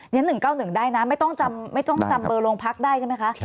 อย่างนั้น๑๙๑ได้นะไม่ต้องจำเบอร์โรงพักษณ์ได้ใช่ไหมคะ